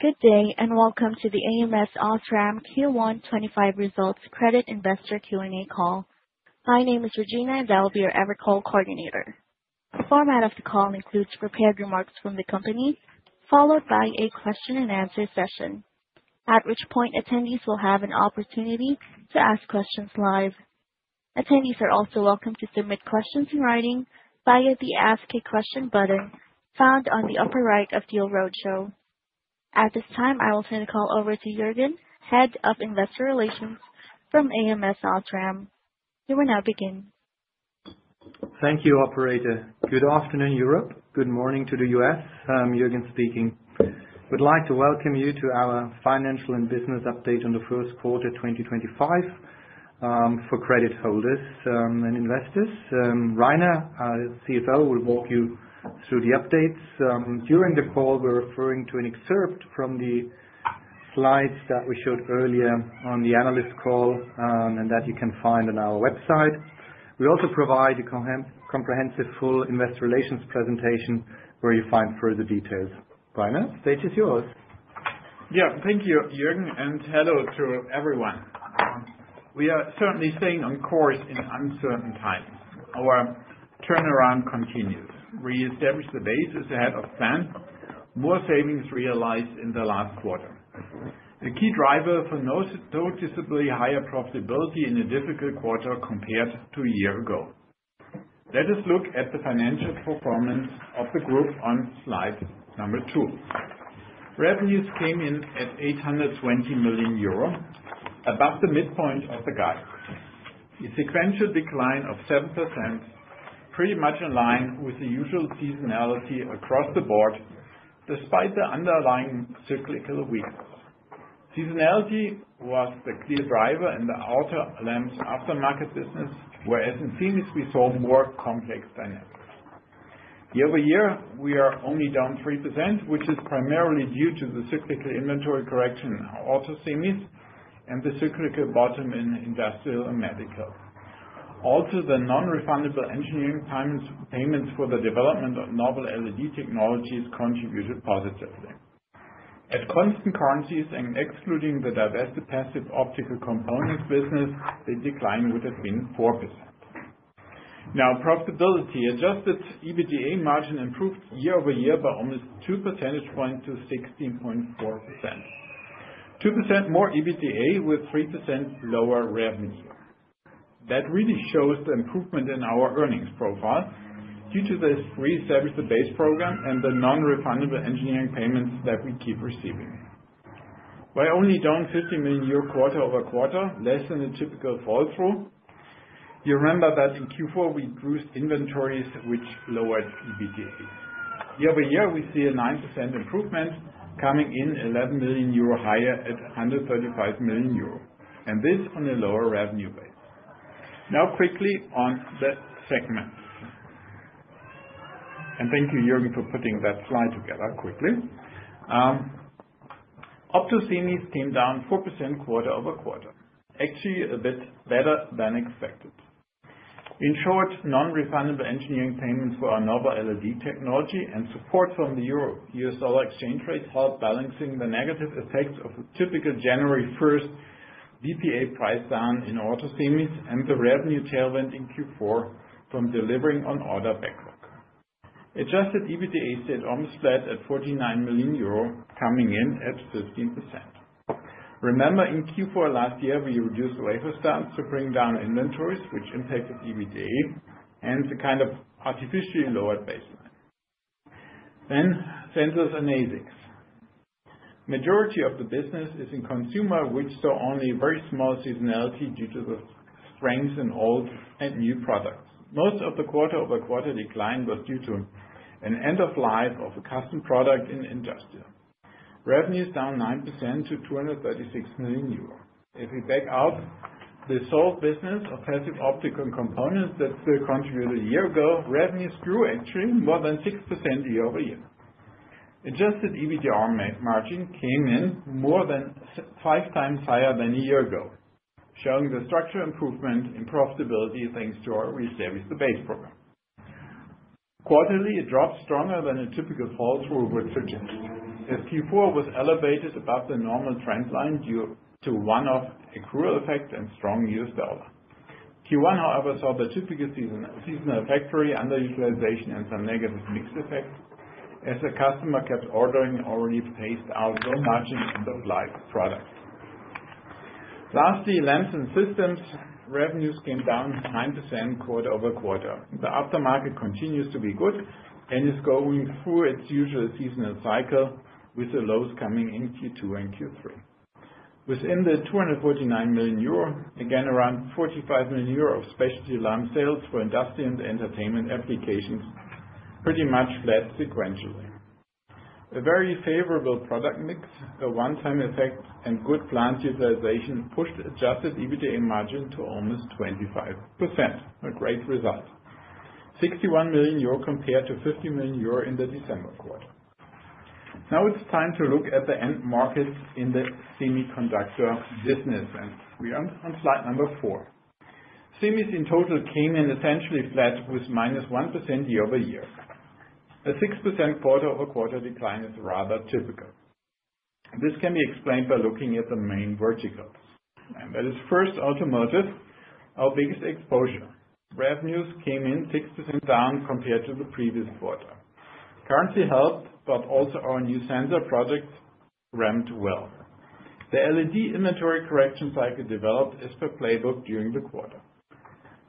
Good day and welcome to the ams OSRAM Q1 2025 results Credit Investor Q&A call. My name is Regina and I will be your call coordinator. The format of the call includes prepared remarks from the company followed by a question and answer session, at which point attendees will have an opportunity to ask questions live. Attendees are also welcome to submit questions in writing via the Ask A Question button found on the upper right of Deal Roadshow. At this time I will turn the call over to Jürgen, Head of Investor Relations from ams OSRAM. You will now begin. Thank you, operator. Good afternoon, Europe. Good morning to the U.S. Jürgen speaking. We'd like to welcome you to our financial and business update on the first quarter 2025 for credit holders and investors. Rainer, CFO, will walk you through the updates during the call. We're referring to an excerpt from the slides that we showed earlier on the analyst call and that you can find on our website. We also provide a comprehensive full investor relations presentation where you find further details. Rainer, the stage is yours. Yeah, thank you Jürgen and hello to everyone. We are certainly staying on course in uncertain times. Our turnaround continues. Re-establish the base is ahead of plan. More savings realized in the last quarter, the key driver for noticeably higher profitability in a difficult quarter compared to a year ago. Let us look at the financial performance of the group on slide number two. Revenues came in at 820 million euro above the midpoint of the guide, a sequential decline of 7%, pretty much in line with the usual seasonality across the board despite the underlying cyclical weakness. Seasonality was the clear driver in the auto lamps aftermarket business, whereas in Phoenix we saw more complex dynamics year over year. We are only down 3%, which is primarily due to the cyclical inventory correction of auto semis and the cyclical bottom in industrial and medical. Also the non-refundable engineering payments for the development of novel LED technologies contributed positively at constant currencies and excluding the divested passive optical components business, the decline would have been 4%. Now profitability adjusted EBITDA margin improved year over year by almost 2 percentage points to 16.4%. 2% more EBITDA with 3% lower revenue. That really shows the improvement in our earnings profile due to the re-establish the base program and the non-refundable engineering payments that we keep receiving while only down 50 million euro quarter over quarter, less than a typical fall through. You remember that in Q4 we reduced inventories which lowered EBITDA fees year over year. We see a 9% improvement coming in 11 million euro higher at 135 million euro and this on a lower revenue base. Now quickly on the segments and thank you Jürgen for putting that slide together quickly. Optosimis came down 4% quarter over quarter, actually a bit better than expected. In short, non-refinable engineering payments for our novel LED technology and support from the EUR/USD exchange rate help balancing the negative effects of a typical January 1st BPA price down in auto semis and the revenue tailwind in Q4 from delivering on order backlog. Adjusted EBITDA stayed almost flat at 49 million euro, coming in at 15%. Remember in Q4 last year we reduced wafer stance to bring down inventories, which impacted EBITDA and the kind of artificially lowered baseline then sensors and ASICs. Majority of the business is in consumer, which saw only very small seasonality due to the strength in old and new products. Most of the quarter over quarter decline was due to an end of life of a custom product in industrial, revenues down 9% to 236 million euros. If we back out the sole business of passive optical components that still contributed a year ago, revenues grew actually more than 60% year over year. Adjusted EBITDA margin came in more than five times higher than a year ago, showing the structural improvement in profitability thanks to our RE service. The base program quarterly, it dropped stronger than a typical fall through would suggest as Q4 was elevated above the normal trend line due to one-off accrual effect and strong US dollar. Q1, however, saw the typical seasonal factory underutilization and some negative mix effect as the customer kept ordering already phased out low margins in those live products. Lastly, Lamps and Systems revenues came down 9% quarter over quarter. The aftermarket continues to be good and is going through its usual seasonal cycle with the lows coming in Q2 and Q3. Within the 249 million euro, again around 45 million euro of specialty alarm sales for industrial and entertainment applications, pretty much flat. Sequentially, a very favorable product mix, a one-time effect, and good plant utilization pushed adjusted EBITDA margin to almost 25%, a great result. 61 million euro compared to 50 million euro in the December quarter. Now it's time to look at the end markets in the semiconductor business and we are on slide number four. Semis in total came in essentially flat with minus 1% year over year. A 6% quarter over quarter decline is rather typical. This can be explained by looking at the main verticals, that is, first automotive, our biggest exposure. Revenues came in 6% down compared to the previous quarter. Currency helped but also our new sensor project ramped well. The LED inventory correction cycle developed as per playbook during the quarter.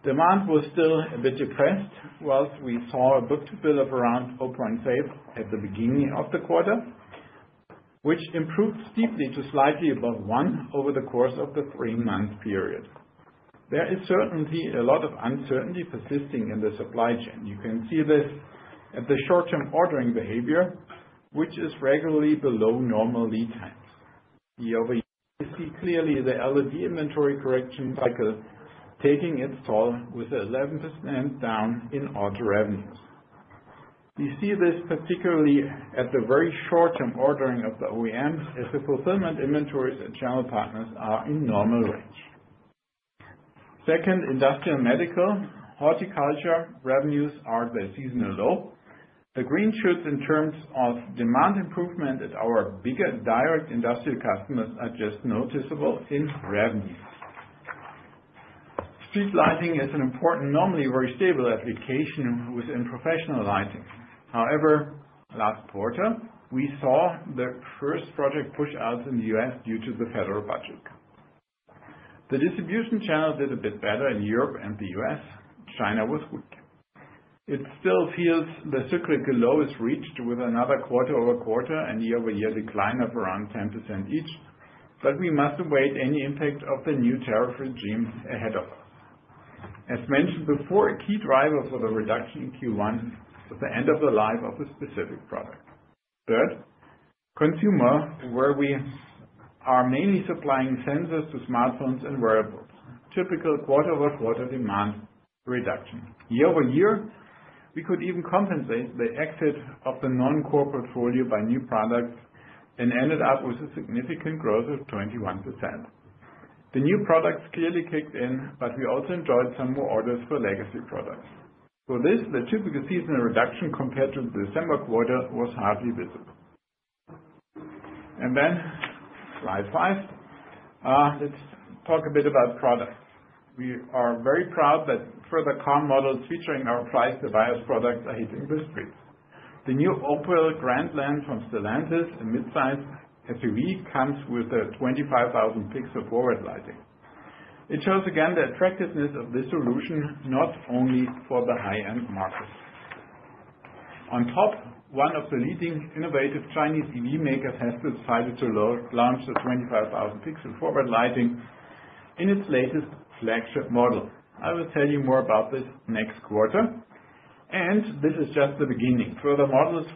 Demand was still a bit depressed whilst we saw a book to bill of around 0.5 at the beginning of the quarter, which improved steeply to slightly above 1 over the course of the three month period. There is certainly a lot of uncertainty persisting in the supply chain. You can see this at the short term ordering behavior, which is regularly below normal lead times year over year. We see clearly the LED inventory correction cycle taking its toll with 11% down in order revenues. We see this particularly at the very short term ordering of the OEMs as the fulfillment inventories and channel partners are in normal range. Second, industrial medical horticulture revenues are the seasonal low. The green shoots in terms of demand improvement at our bigger direct industrial customers are just noticeable in revenue. Street lighting is an important, normally very stable application within professional lighting. However, last quarter we saw the first project push outs in the U.S. due to the federal budget. The distribution channel did a bit better in Europe and the U.S. China was weak. It still feels the cyclical low is reached with another quarter over quarter and year over year decline of around 10% each. We must await any impact of the new tariff regime ahead of us. As mentioned before, a key driver for the reduction in Q1 is the end of the life of a specific product. Third, consumer where we are mainly supplying sensors to smartphones and wearables. Typical quarter over quarter demand reduction year over year. We could even compensate the exit of the non-core portfolio by new products and ended up with significant growth of 21%. The new products clearly kicked in, but we also enjoyed some more orders for legacy products. For this, the typical seasonal reduction compared to the December quarter was hardly visible. On slide 5, let's talk a bit about products. We are very proud that further car models featuring our EVIYOS products are hitting the streets. The new Opel Grandland from Stellantis, a midsize SUV, comes with a 25,000 pixel forward lighting. It shows again the attractiveness of this solution not only for the high-end market. On top, one of the leading innovative Chinese EV makers has this 5th Generation launched a 25,000 pixel forward lighting in its latest flagship model. I will tell you more about this next quarter and this is just the beginning. Further models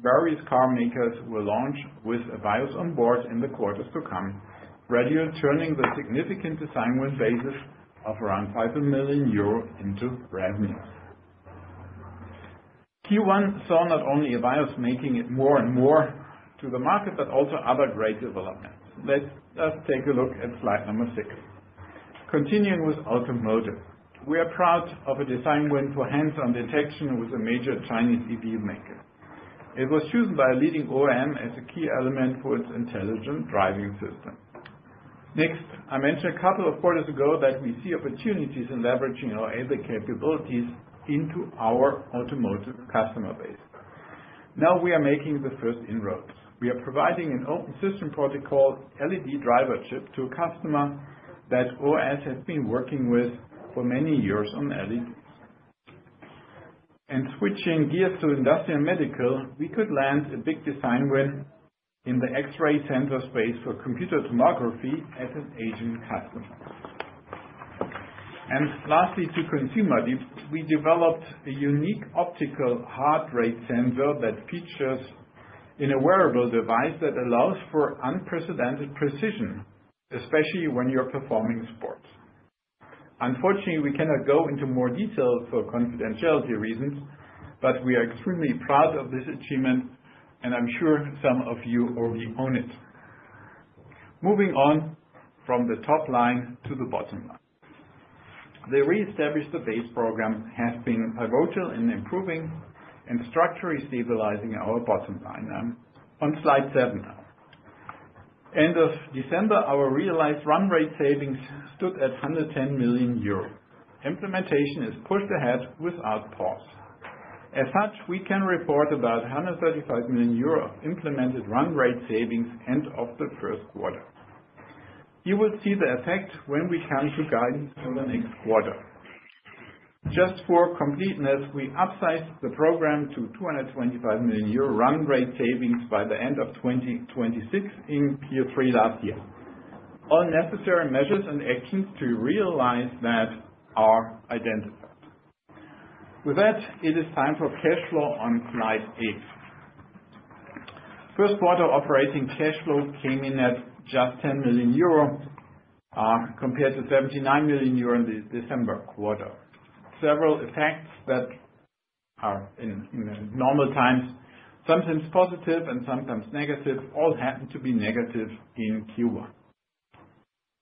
from various carmakers will launch with EVIYOS on board in the quarters to come, gradually turning the significant design win basis of around 5 million euro into revenues. Q1 saw not only EVIYOS making it more and more to the market, but also other great developments. Let us take a look at slide number six. Continuing with Automotive, we are proud of a design win for hands-on detection with a major Chinese EV maker. It was chosen by a leading OEM as a key element for its intelligent driving system. Next, I mentioned a couple of quarters ago that we see opportunities in leveraging our Azure capabilities into our automotive customer base. Now we are making the first inroads. We are providing an open system protocol LED driver chip to a customer that OS has been working with for many years on LED and switching gears to industrial medical, we could land a big design win in the X-ray center space for computer tomography as an aging customer. Lastly, to consumer, we developed a unique optical heart rate sensor that features in a wearable device that allows for unprecedented precision, especially when you're performing sports. Unfortunately, we cannot go into more detail for confidentiality reasons, but we are extremely proud of this achievement and I'm sure some of you are the opponents. Moving on from the top line to the bottom line, the re-establish the base program has been pivotal in improving and structurally stabilizing our bottom line. I'm on slide 7 now. End of December our realized run rate savings stood at 110 million euro. Implementation is pushed ahead without pause. As such, we can report about 135 million euros implemented run rate savings end of the first quarter. You will see the effect when we come to guidance for the next quarter. Just for completeness, we upsized the program to 225 million euro run rate savings by the end of 2026. In Q3 last year, all necessary measures and actions to realize that are identified. With that, it is time for cash flow on slide 8. First quarter operating cash flow came in at just 10 million euro compared to 79 million euro in the December quarter. Several effects that are in normal times, sometimes positive and sometimes negative, all happen to be negative. In Q1,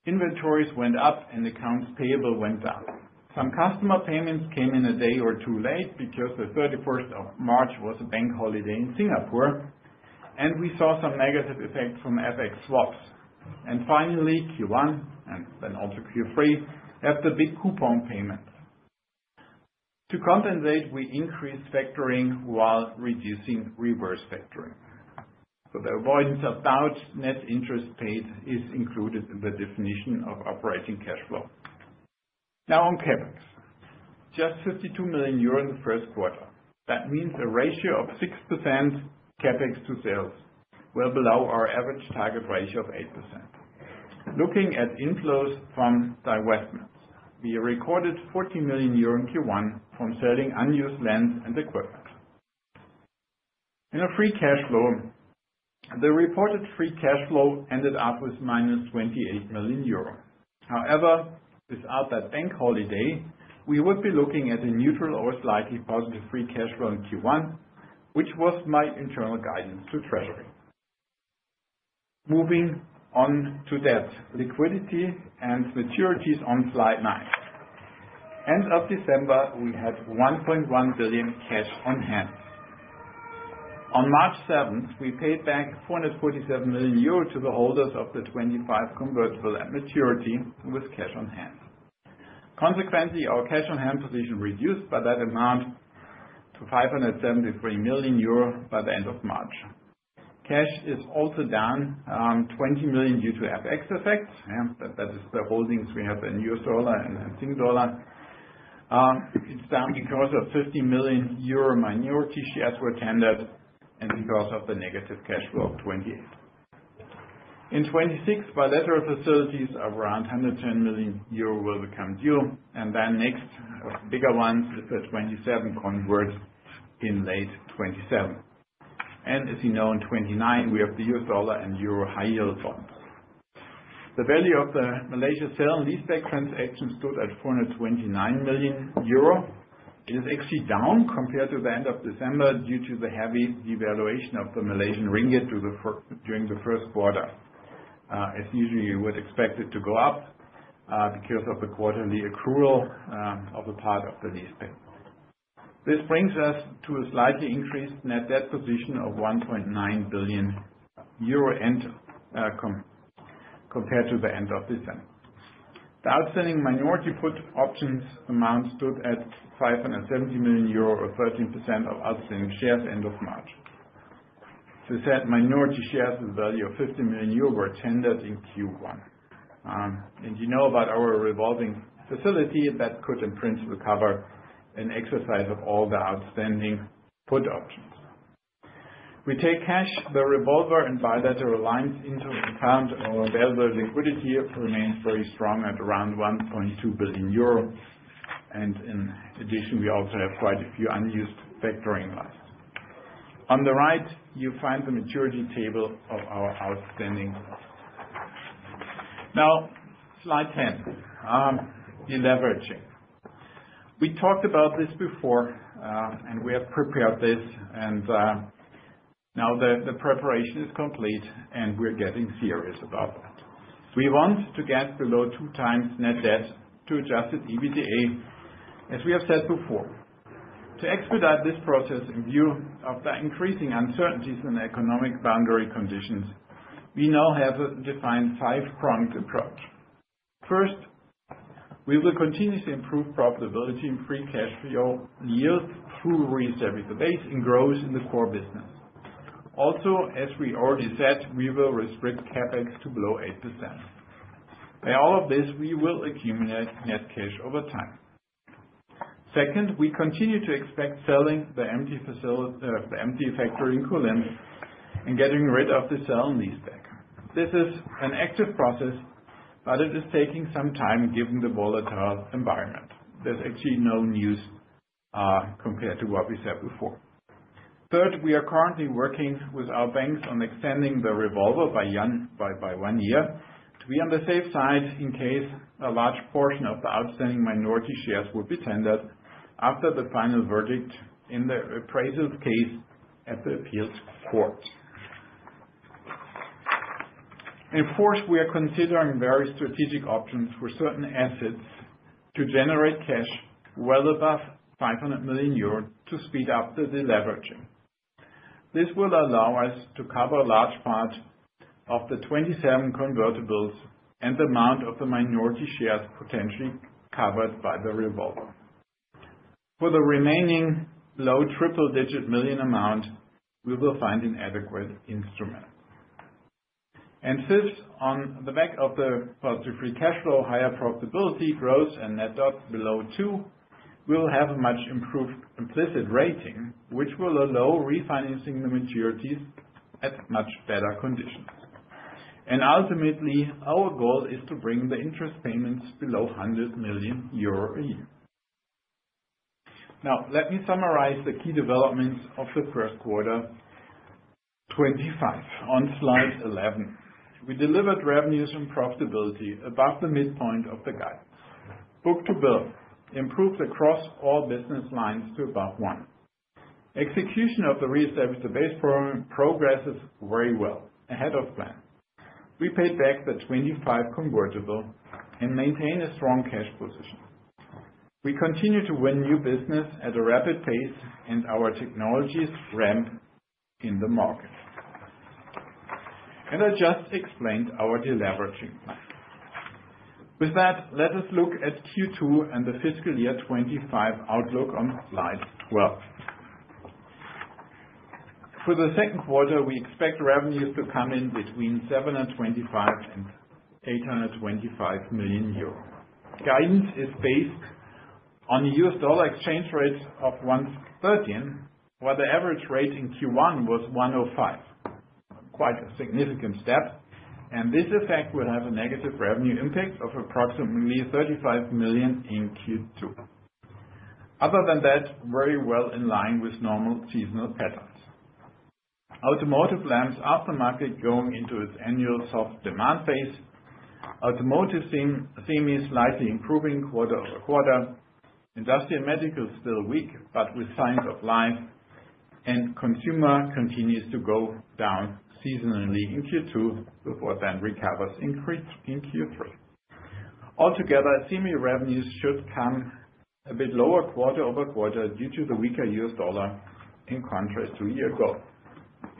inventories went up and accounts payable went down. Some customer payments came in a day or two late because 31st of March was a bank holiday in Singapore and we saw some negative effects from FX swaps and finally Q1 and then also Q3 had the big coupon payment to compensate. We increased factoring while reducing reverse factoring. The avoidance of net interest paid is included in the definition of operating cash flow. Now on CapEx, just 52 million euro in the first quarter. That means a ratio of 6% CapEx to sales, well below our average target ratio of 8%. Looking at inflows from divestments we recorded 40 million euro in Q1. From selling unused lands and equipment in a free cash flow, the reported free cash flow ended up with -28 million euro. However, without that bank holiday we would be looking at a neutral or slightly positive free cash flow in Q1, which was my internal guidance to Treasury. Moving on to debt liquidity and maturities on slide 9, end of December we had 1.1 billion cash on hand. On March 7th we paid back 447 million euro to the holders of the 25 convertible at maturity with cash on hand. Consequently, our cash on hand position reduced by that amount to 573 million euro by the end of March. Cash is also down 20 million due to FX effects, that is the holdings we have in US dollar and SGD. It's down because of 50 million euro. Minority shares were tendered and because of the negative cash flow of 28 in 26 bilateral facilities, around 110 million euro will become due and then next bigger ones. Twenty-seven converts in late 2027. As you know, in 2019 we have the US dollar and EUR high yield bonds. The value of the Malaysia sale and leaseback transaction stood at 429 million euro. It is actually down compared to the end of December due to the heavy devaluation of the Malaysian Ringgit during the first quarter. Usually you would expect it to go up because of the quarterly accrual of a part of the lease pay. This brings us to a slightly increased net debt position of 1.9 billion euro compared to the end of this semiconductor. The outstanding minority put options amount stood at 570 million euro or 13% of outstanding shares end of March. Minority shares with value of 50 million euro were tendered in Q1. You know about our revolving facility that could in principle cover an exercise of all the outstanding put options. We take cash, the revolver, and buy that reliance into account. Our available liquidity remains very strong at around 1.2 billion euro. In addition, we also have quite a few unused factoring losses. On the right, you find the maturity table of our outstanding loss. Now, slide 10. Deleveraging. We talked about this before and we have prepared this, and now the preparation is complete and we're getting serious about that. We want to get below 2x net debt to adjusted EBITDA as we have said before to expedite this process. In view of the increasing uncertainties in economic boundary conditions, we now have a defined five-pronged approach. First, we will continue to improve profitability in free cash flow yield through re-establish the base and growth in the core business. Also, as we already said, we will restrict CapEx to below 8%. By all of this we will accumulate net cash over time. Second, we continue to expect selling the empty factory in Kulim and getting rid of the sale-leaseback. This is an active process but it is taking some time given the volatile environment. There is actually no news compared to what we said before. Third, we are currently working with our banks on extending the revolver by one year to be on the safe side in case a large portion of the outstanding minority shares would be tendered after the final verdict in the appraisal case at the appeals court. Fourth, we are considering various strategic options with certain assets to generate cash well above 500 million euros to speed up the deleveraging. This will allow us to cover a large part of the 2027 convertibles and the amount of the minority shares potentially covered by the revolver. For the remaining low triple-digit million amount we will find an adequate instrument. Fifth, on the back of the positive free cash flow, higher profitability growth, and net debt below two, we will have a much improved implicit rating which will allow refinancing the maturities at much better conditions and ultimately our goal is to bring the interest payments below 100 million euro a year. Now let me summarize the key developments of 1Q 2025. On slide 11, we delivered revenues and profitability above the midpoint of the guidance. Book to bill improved across all business lines to above one. Execution of the re-establish the base program progresses very well ahead of plan. We paid back the 25 million convertible and maintain a strong cash position. We continue to win new business at a rapid pace and our technologies ramp in the market. I just explained our deleveraging plan. With that, let us look at Q2 and the fiscal year 2025 outlook. On slide 12, for the second quarter, we expect revenues to come in between 725 million and 825 million euros. Guidance is based on US dollar exchange rate of 1.13, while the average rate in Q1 was 1.05. Quite a significant step, and this effect will have a negative revenue impact of approximately 35 million in Q2. Other than that, very well in line with normal seasonal patterns. Automotive lamps aftermarket going into its annual soft demand phase, automotive theming slightly improving quarter over quarter. Industrial medical still weak but with signs of life and consumer continues to go down seasonally in Q2 before then recovers in Q3. Altogether semi revenues should come a bit lower quarter over quarter due to the weaker US dollar in contrast to a year ago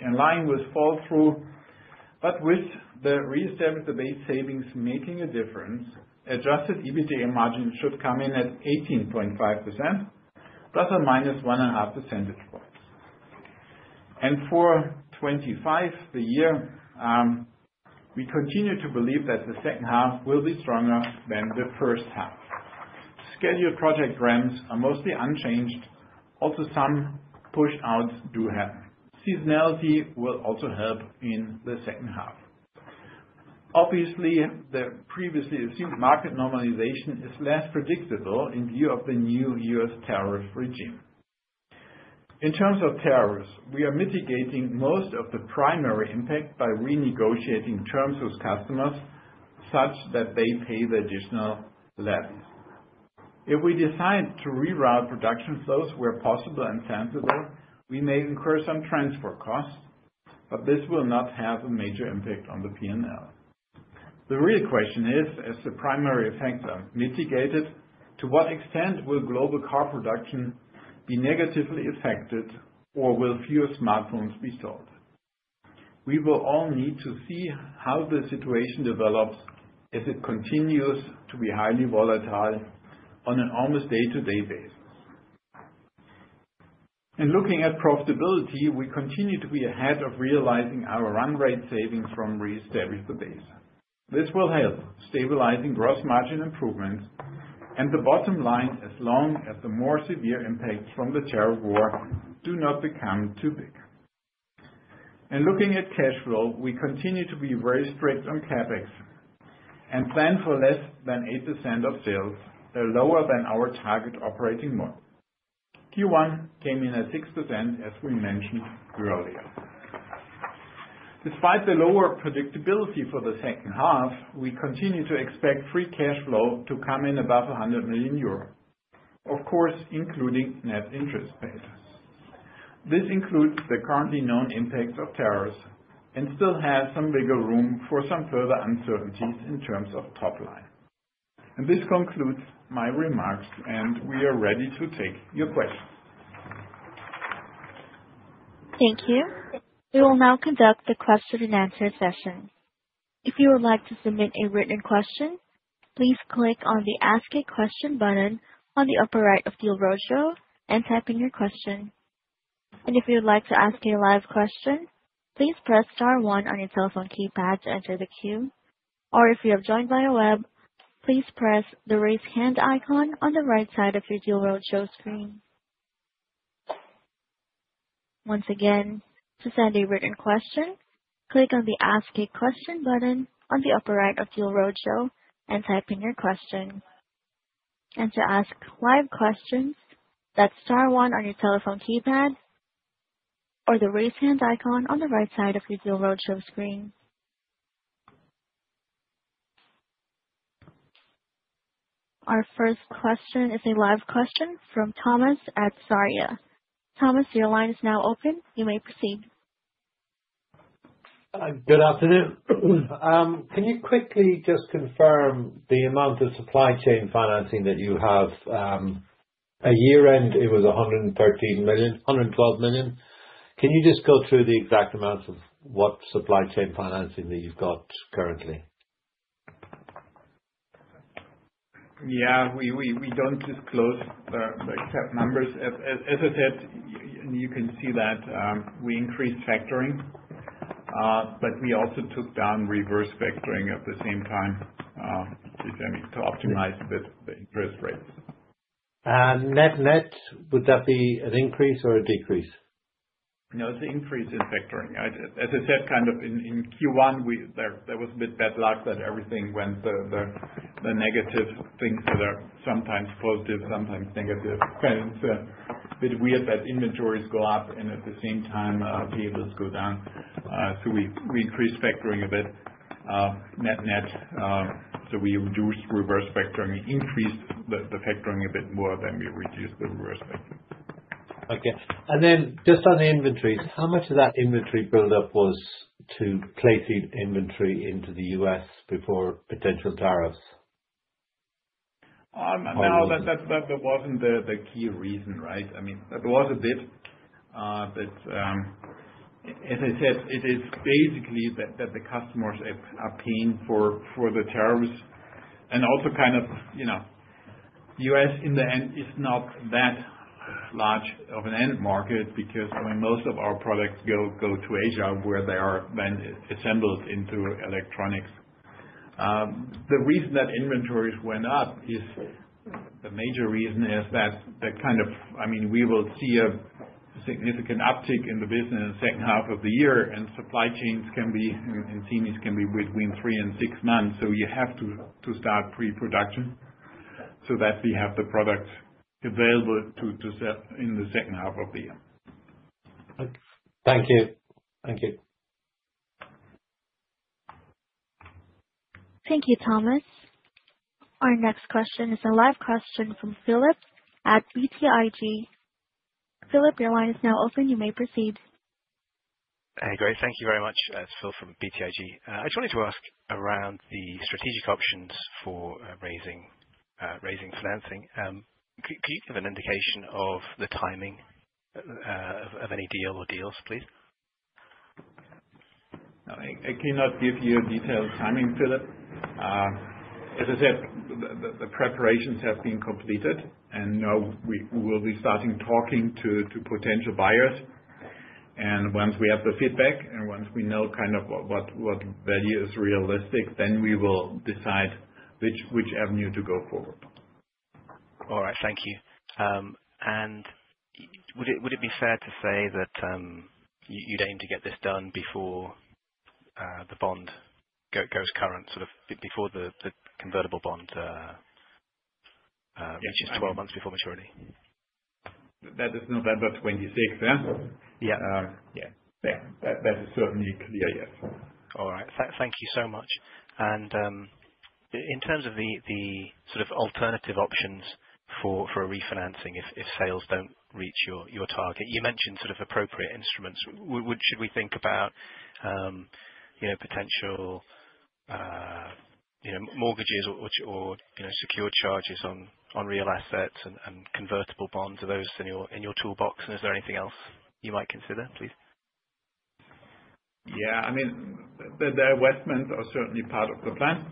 in line with fall through but with the re-establish the base savings making a difference, adjusted EBITDA margin should come in at 18.5% ±1.5 percentage points and for 2025 the year. We continue to believe that the second half will be stronger than the first half. Scheduled project ramps are mostly unchanged. Also some push outs do happen. Seasonality will also help in second half. Obviously the previously assumed market normalization is less predictable in view of the new U.S. tariff regime. In terms of tariffs, we are mitigating most of the primary impact by renegotiating terms with customers such that they pay the additional levies. If we decide to reroute production flows where possible and tampered, we may incur some transport costs, but this will not have a major impact on the P&L. The real question is as the primary factor mitigated, to what extent will global car production be negatively affected or will fewer smartphones be sold? We will all need to see how the situation develops as it continues to be highly volatile on an almost day to day basis. Looking at profitability, we continue to be ahead of realizing our run rate savings from re-establish the base. This will help stabilizing gross margin improvements and the bottom line as long as the more severe impacts from the tariff war do not become too big. Looking at cash flow, we continue to be very strict on CapEx and plan for less than 8% of sales, lower than our target operating mode. Q1 came in at 6% as we mentioned earlier. Despite the lower predictability for the second half, we continue to expect free cash flow to come in above 100 million euro, of course including net interest payments. This includes the currently known impacts of tariffs and still has some bigger room for some further uncertainties in terms of top line. This concludes my remarks and we are ready to take your questions. Thank you. We will now conduct the question and answer session. If you would like to submit a written question, please click on the Ask A Question button on the upper right of the Larojo and type in your question. If you would like to ask a live question, please press Star one on your telephone keypad to enter the queue or if you have joined via web, please press the Raise Hand icon on the right side of your Deal Roadshow screen. Once again, to send a written question, click on the Ask A Question button on the upper right of Deal Roadshow and type in your question, and to ask live questions, that's Star one on your telephone keypad or the Raise Hand icon on the right side of your Deal Roadshow screen. Our first question is a live question from Thomas at Saria. Thomas, your line is now open. You may proceed. Good afternoon. Can you quickly just confirm the amount of supply chain financing that you have at year end? It was 113 million, 112 million. Can you just go through the exact Amounts of what supply chain financing that you've got currently? Yeah, we don't disclose the exact numbers. As I said, you can see that we increased factoring, but we also took down reverse factoring at the same time to optimize the interest rates. Net net. Would that be an increase or a decrease? No, it's an increase in factoring. As I said, kind of in Q1 there was a bit bad luck that everything went, the negative things that are sometimes positive, sometimes negative. Bit weird that inventories go up and at the same time payables go down. We increased factoring a bit, net net. We reduced reverse factoring, increased the factoring a bit more than we reduced the reverse factoring. Okay. Just on the inventories, how. Much of that inventory buildup was to place the inventory into the U.S. before potential tariffs? No, that wasn't the key reason. Right. I mean that was a bit too. But as I said, it is basically that the customers are paying for the tariffs and also kind of, you know, U.S. in the end is not that large of an end market because most of our products go to Asia where they are then assembled into electronics. The reason that inventories went up is the major reason is that that kind of, I mean, we will see a significant uptick in the business second half of the year. And supply chains can be in semis can be between three and six months. You have to start pre production so that we have the product available to sell in the second half of the year. Thank you. You. Thank you, Thomas. Our next question is a live question from Philip at BTIG. Philip, your line is now open. You may proceed. Hey, great. Thank you very much. It's Phil from BTIG. I just wanted to ask around the strategic options for raising financing. Could you give an indication of the timing of any deal or deals, please? I cannot give you a detailed timing, Philip. As I said, the preparations have been completed and now we will be starting talking to potential buyers. Once we have the feedback and once we know kind of what value is realistic, then we will decide which avenue to go forward. All right, thank you. Would it be fair to say that you'd aim to get this done before the bond goes current? Sort of before the convertible bond. Reaches 12 months before maturity? that is November 26, yeah? Yeah, that is certainly clear. Yes. All right, thank you so much. In terms of the sort of alternative options for a refinancing, if sales do not reach your target, you mentioned sort of appropriate instruments. Should we think about potential mortgages or secured charges on real assets and convertible bonds? Are those in your toolbox? Is there anything else you might consider, please? Yeah, I mean, the investments are certainly part of the plan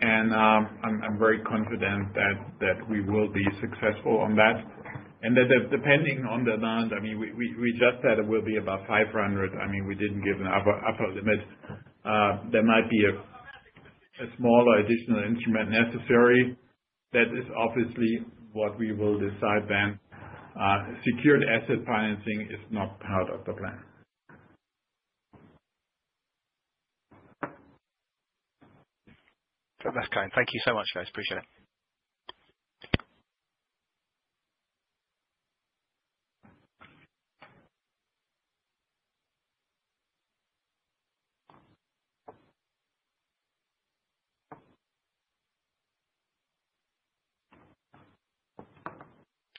and I'm very confident that we will be successful on that. I mean, depending on the amount, we just said it will be about 500 million. I mean, we didn't give an upper limit. There might be a smaller additional instrument necessary. That is obviously what we will decide then. Secured asset financing is not part of the plan. That's kind. Thank you so much, guys. Appreciate it.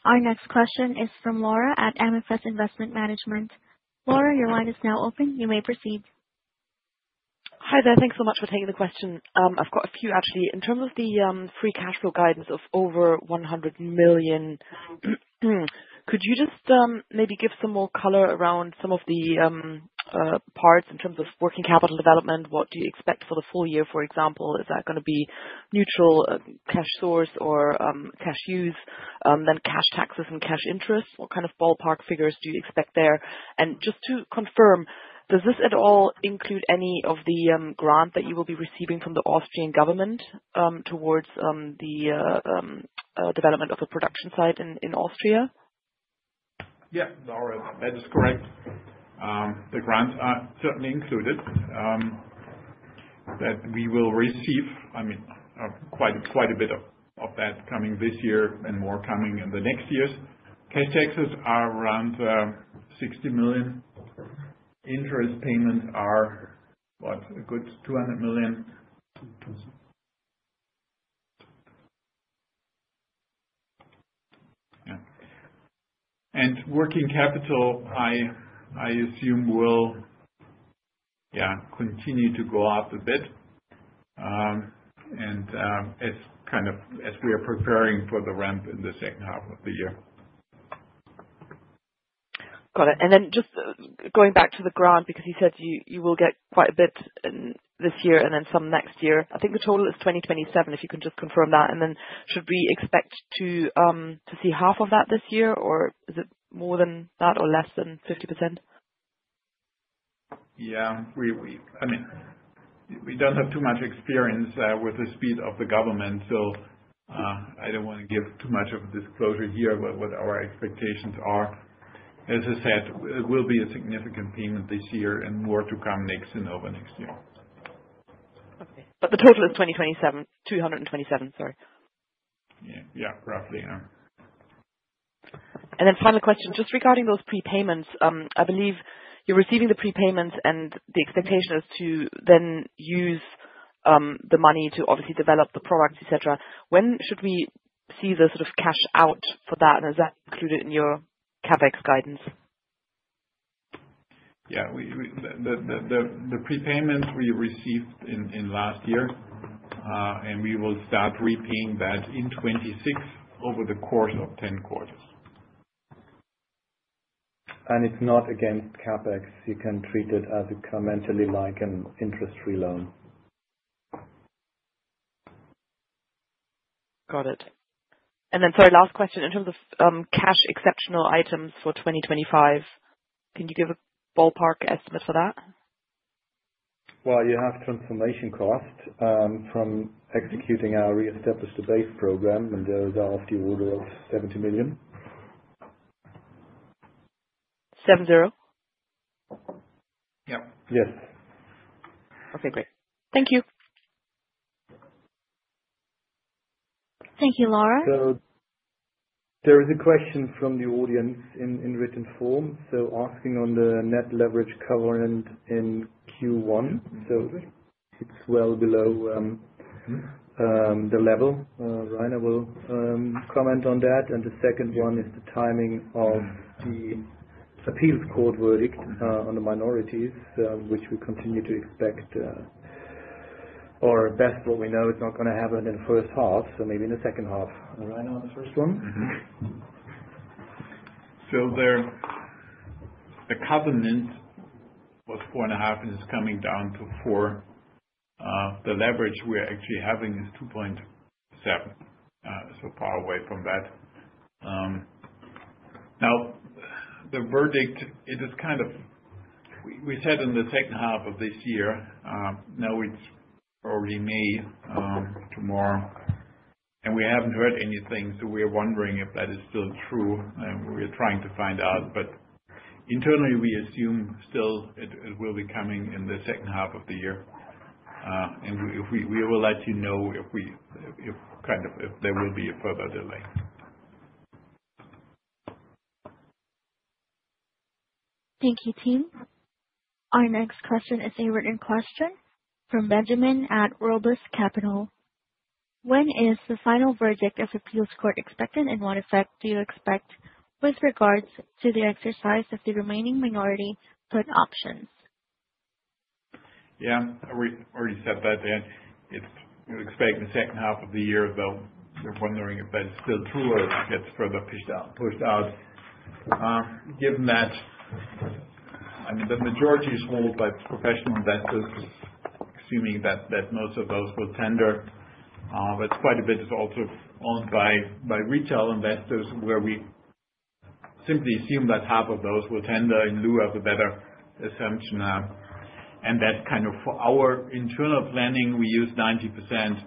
Our next question is from Laura at MFS Investment Management. Laura, your line is now open. You may proceed. Hi there. Thanks so much for taking the question. I've got a few, actually. In terms of the free cash flow guidance of over 100 million, could you just maybe give some more color around some of the parts? In terms of working capital development, what do you expect for the full year? For example, is that going to be neutral cash source or cash use, then cash taxes and cash interest, what kind of ballpark figures do you expect there? Just to confirm, does this at all include any of the grant that you will be receiving from the Austrian government towards the development of a production site in Austria? Yes, that is correct. The grants are certainly included that we will receive quite a bit of that coming this year and more coming in the next years. Cash taxes are around 60 million. Interest payments are what, a good 200 million. And working capital, I assume, will. Continue. To go up a bit. As we are preparing for the ramp in the second half of the year. Got it. Just going back to the. Grant, because you said you will get quite a bit this year and then some next year, I think the total is 2027. If you can just confirm that. Should we expect to see half of that this year or is it more than that or less than 50%? Yeah, I mean, we don't have too much experience with the speed of the government. I don't want to give too much of a disclosure here what our expectations are. As I said, it will be a significant payment this year and more to come next and over next year. The total is 2027. 227. Sorry. Yeah, roughly. Final question just regarding those prepayments. I believe you're receiving the prepayments and the expectation is to then use the money to obviously develop the product, et cetera. When should we see the sort of cash out for that? Is that included in your CapEx guidance? Yes, the prepayments we received in last year and we will start repaying that in 2026 over the course of 10 quarters. It is not against CapEx, you can treat it as mentally like an interest free loan. Got it. Sorry, last question. In terms of cash exceptional items for 2025, can you give a ballpark estimate for that? You have transformation cost from executing our re-establish the base program and those are of the order of 70 million. seven zero? Yes. Okay, great. Thank you. Thank you, Laura. There is a question from the audience in written form, asking on the net leverage covenant in Q1. It is well below. The level. Rainer will comment on that. The second one is the timing of the appeals court verdict on the minorities which we continue to expect. Or. Best what we know is not going to happen in the first half. Maybe in the second half. There the covenant was 4.5 and it's coming down to 4. The leverage we're actually having is 2.0. Far away from that now, the verdict is kind of we said in the second half of this year. Now it's already May tomorrow and we haven't heard anything. We are wondering if that is still true. We are trying to find out, but internally we assume still it will be coming in the second half of the year. We will let you know if there will be a further delay. Thank you team. Our next question is a written question from Benjamin at Robles Capital. When is the final verdict of appeals court expected and what effect do you expect with regards to the exercise of the remaining minority put options? Yeah, already said that it's expecting the second half of the year though they're wondering if that's still true or if it gets further pushed out given that, I mean the majority is owned by professional investors assuming that most of those will tender. Quite a bit is also owned by retail investors where we simply assume that half of those will tender in lieu of a better assumption. For our internal planning we use 90%.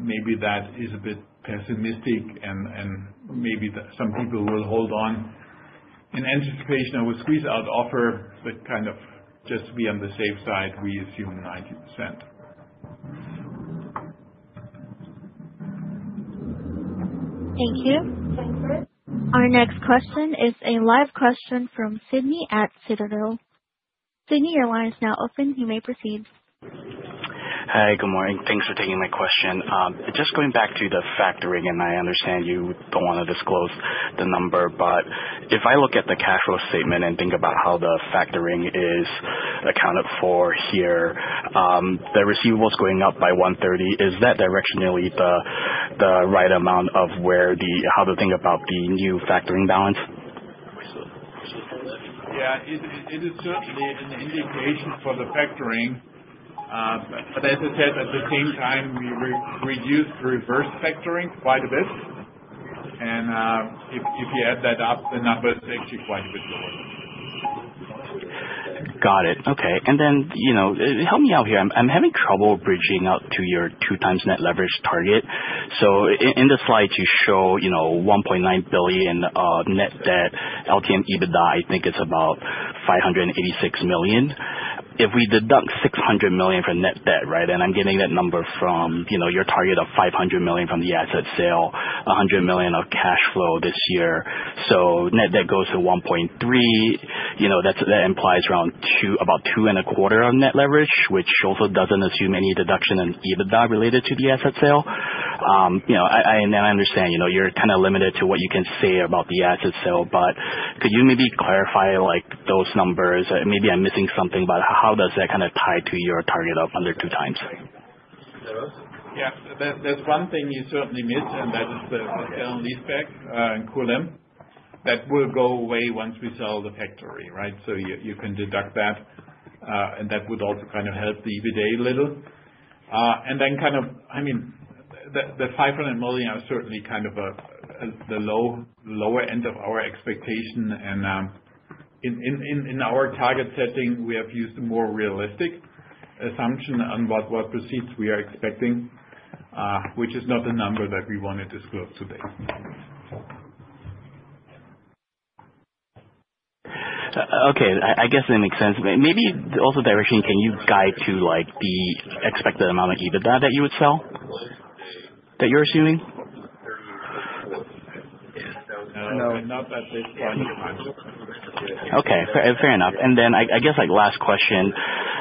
Maybe that is a bit pessimistic and maybe some people will hold on in anticipation of a squeeze out offer. Just to be on the safe side, we assume 90%. Thank you. Our next question is a live question from Sydney at Citadel. Sydney, your line is now open. You may proceed. Hi, good morning. Thanks for taking my question. Just going back to the factoring and I understand you don't want to disclose the number, but if I look at the cash flow statement and think about how the factoring is accounted for here, the receivables going up by 130. Is that directionally the right amount of where the, how to think about the new factoring balance. Yeah, it is certainly an indication for the factoring. As I said, at the same time we reduced reverse factoring quite a bit and if you add that up, the number is actually quite a bit lower. Got it. Okay. You know, help me out here. I'm having trouble bridging up to your two times net leverage target. In the slide you show, you know, 1.9 billion net debt LTM EBITDA. I think it's about 586 million. If we deduct 600 million from net debt. Right. I'm getting that number from, you know, your target of 500 million from the asset sale, 100 million of cash. Cash flow this year. debt goes to 1.3 billion. You know, that implies around about two and a quarter of net leverage, which also does not assume any deduction in EBITDA related to the asset sale. You know, I understand, you know, you are kind of limited to what you can say about the asset sale, but could you maybe clarify like those numbers? Maybe I am missing something, but how does that kind of tie to your target of under two times? Yes, there's one thing you certainly miss and that is the leaseback in Kulim that will go away once we sell the factory. Right. You can deduct that. That would also kind of help the EBITDA a little. I mean the 500 million is certainly kind of the lower end of our expectation. In our target setting we have used more realistic assumption on what proceeds we are expecting, which is not the number that we want to disclose today. Okay, I guess that makes sense. Maybe also direction, can you guide to like the expected amount of EBITDA that. You would sell that, you're assuming? Okay, fair enough. I guess like last question,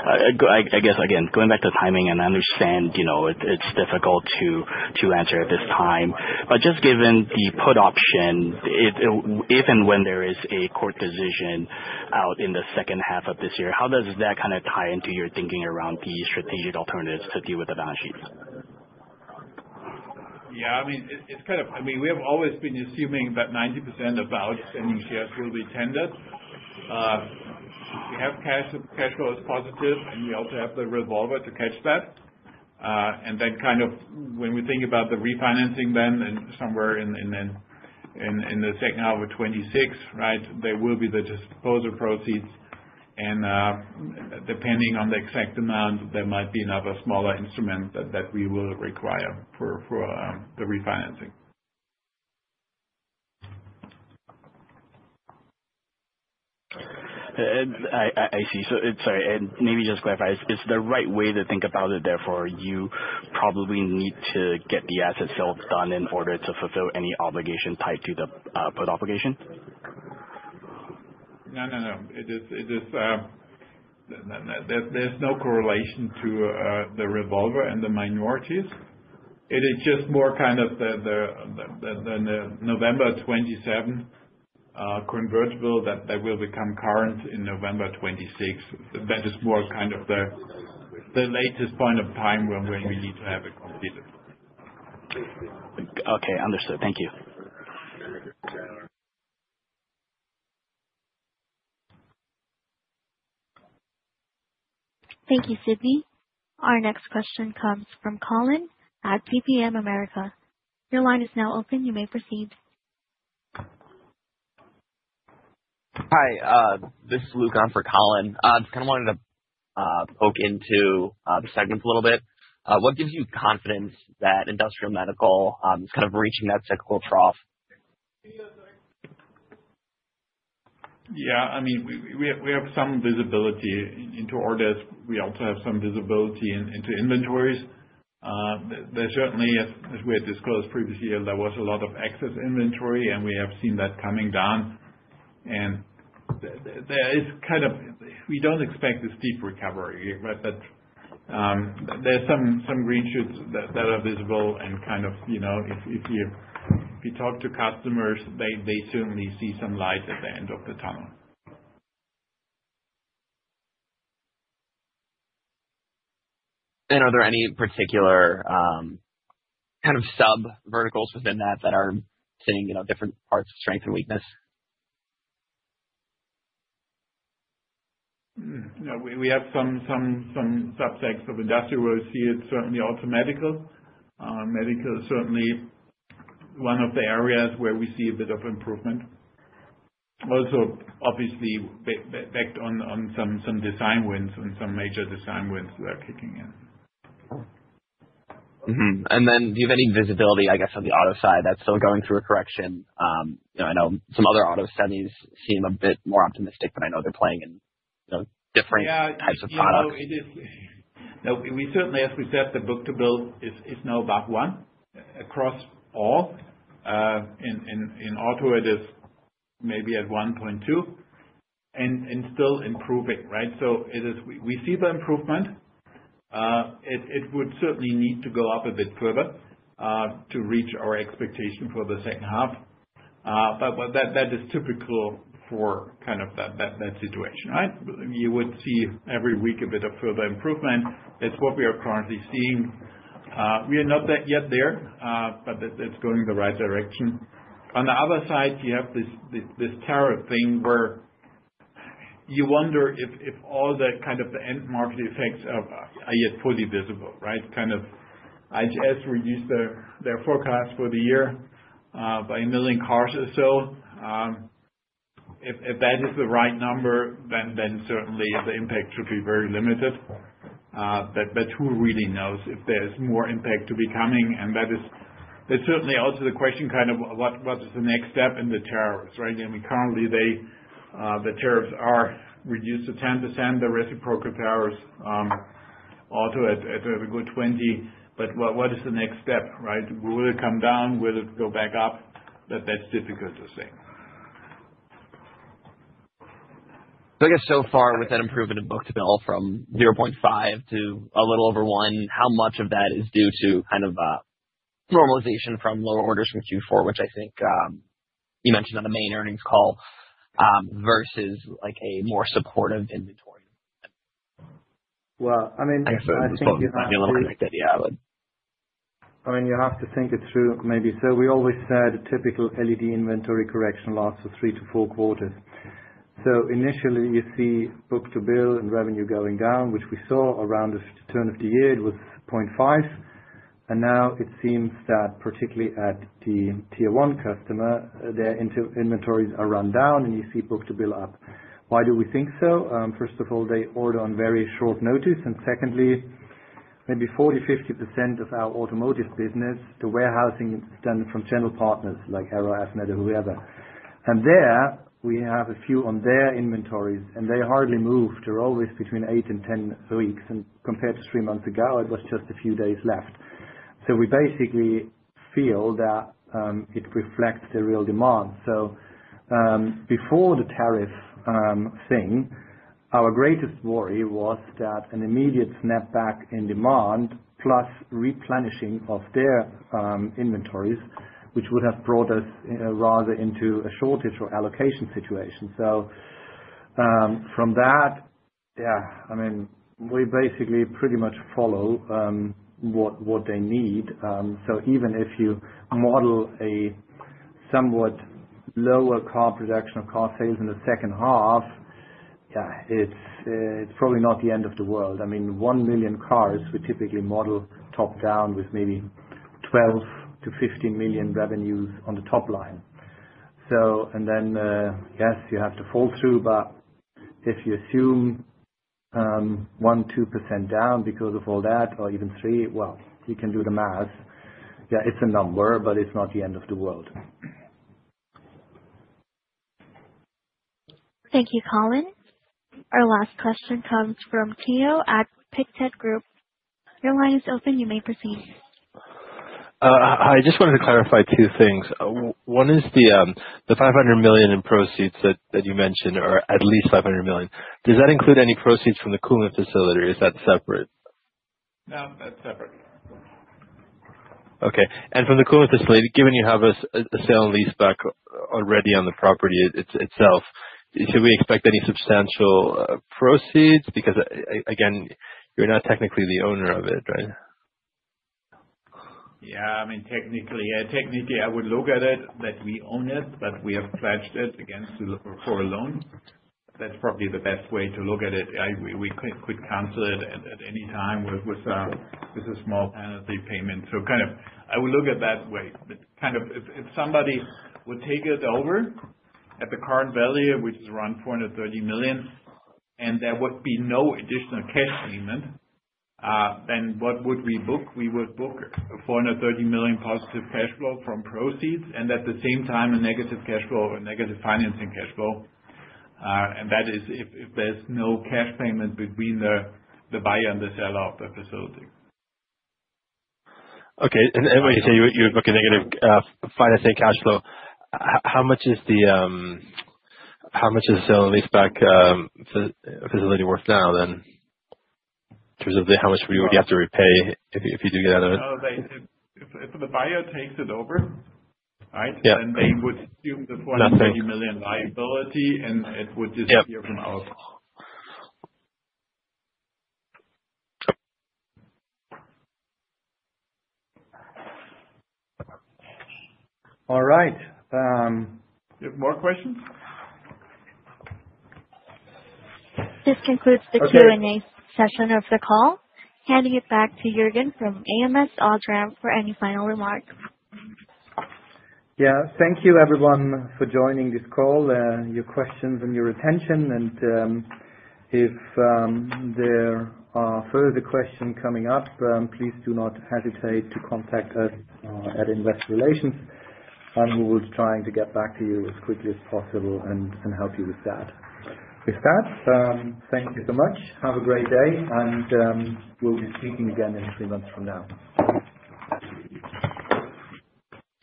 I guess again going back to timing and I understand it's difficult to answer at this time, but just given the put option, if and when there is a court decision out in the second half of this year, how does that kind of tie into your thinking around the strategic alternatives to deal with the balance sheets? Yeah, I mean, it's kind of. I mean, we have always been assuming that 90% about sending shares will be tendered. We have cash flow is positive and we also have the revolver to catch that. When we think about the refinancing, then somewhere in 2H 2026. Right. There will be the disposal proceeds and depending on the exact amount, there might be another smaller instrument that we will require for the refinancing. I see. Sorry. Maybe just clarify, is the right way to think about it, therefore, you probably need to get the asset sales done in order to fulfill any obligation tied to the put obligation. No, no, no. There's no correlation to the revolver and the minorities. It is just more kind of the November 27 convertible that will become current in November 2026. That is more kind of the latest point of time when we need to have it completed. Okay, understood. Thank you. Thank you, Sydney. Our next question comes from Colin at PPM America. Your line is now open. You may proceed. Hi, this is Luke. I'm for Colin. Just kind of wanted to poke into the segments a little bit. What gives you confidence that Industrial Medical is kind of reaching that cyclical trough? Yes, I mean we have some visibility into orders. We also have some visibility into inventories. There certainly, as we had disclosed previously, there was a lot of excess inventory and we have seen that coming down and there is kind of. We do not expect a steep recovery, but there are some green shoots that are visible and kind of, you know, it is. If you talk to customers, they certainly see some light at the end of the tunnel. Are there any particular. Kind of. Sub verticals within that that are seeing different parts of strength and weakness? We have some subsects of Industrial where we see it. Certainly, Auto Medical is certainly one of the areas where we see a bit of improvement. Also, obviously backed on some design wins and some major design wins that are kicking in. Do you have any visibility, I guess on the auto side that's still going through a correction? I know some other auto semis seem a bit more optimistic, but I know they're playing in different types of products now. We certainly, as we said, the book to bill is now above 1 across all in auto. It is maybe at 1.2 and still improving. Right. We see the improvement. It would certainly need to go up a bit further to reach our expectation for the second half. That is typical for kind of that situation. You would see every week a bit of further improvement. That is what we are currently seeing. We are not yet there, but it is going the right direction. On the other side you have this tariff thing where you wonder if all the kind of the end market effects are yet fully visible, right? Kind of. IHS reduced their forecast for the year by a million cars or so. If that is the right number, then certainly the impact should be very limited. Who really knows if there's more impact to be coming? That is certainly also the question, kind of what is the next step in the tariffs, right? I mean, currently the tariffs are reduced to 10%, the reciprocal tariffs also at a good 20%. What is the next step, right? Will it come down? Will it go back up? That's difficult to say. I guess so far with that improvement in book to bill from 0.5 to a little over 1. How much of that is due to kind of normalization from lower orders from Q4, which I think you mentioned on the main earnings call, versus like a more supportive inventory? I mean, I mean you have to think it through. Maybe. We always said a typical LED inventory correction lasts for three to four quarters. Initially you see book to bill and revenue going down, which we saw around the turn of the year, it was 0.5. Now it seems that particularly at the Tier 1 customer, their inventories are run down and you see book to bill up. Why do we think so? First of all, they order on very short notice. Secondly, maybe 40-50% of our automotive business, the warehousing is done from general partners like Aero as Net or whoever. There we have a view on their inventories and they hardly move. They're always between eight and 10 weeks. Compared to three months ago, it was just a few days left. We basically feel that it reflects the real demand. Before the tariff thing, our greatest worry was that an immediate snapback in demand plus replenishing of their inventories, which would have brought us rather into a shortage or allocation situation. From that, yeah, I mean, we basically pretty much follow what they need. Even if you model a somewhat lower car production or car sales in the second half, yeah, it's probably not the end of the world. I mean, 1 million cars, we typically model top down with maybe 12 million-15 million revenues on the top line. Then, yes, you have to fall through. If you assume 1-2% down because of all that or even 3%, you can do the math. Yeah, it's a number, but it's not the end of the world. Thank you, Colin. Our last question comes from Teo at Pictet Group. Your line is open. You may proceed. Hi. I just wanted to clarify two things. One is the $500 million in proceeds that you mentioned are at least $500 million. Does that include any proceeds from the Kulim facility or is that separate? No, that's separate. Okay. From the Kulim facility, given you have a sale and leaseback already on the property itself, should we expect any substantial proceeds? Because again, you're not technically the owner of it, right? Yeah. I mean, technically. Technically I would look at it that we own it, but we have pledged it against for a loan. That's probably the best way to look at it. We could cancel it at any time with a small payment through. I would look at that way. If somebody would take it over at the current value, which is around 430 million, and there would be no additional cash payment, then what would we book? We would book 430 million positive cash flow from proceeds and at the same time a negative cash flow or negative financing cash flow. That is if there's no cash payment between the buy and the sell of the facility. Okay, and when you say you would book a negative financing cash flow. How. much is the sale leaseback facility worth? Now then in terms of how much. Would you have to repay if you do get out of it? If the buyer takes it over, then they would have the liability and it would disappear from ours. All right, more questions. This concludes the Q and A session of the call, handing it back to Juergen from ams OSRAM for any final remarks. Yeah, thank you everyone for joining this call. Your questions and your attention. If there are further questions coming up, please do not hesitate to contact us at investor relations and we will be trying to get back to you as quickly as possible and help you with that. With that, thank you so much. Have a great day and we'll be speaking again in three months from now.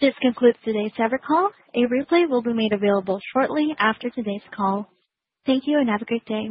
This concludes today's call. A replay will be made available shortly after today's call. Thank you and have a great day.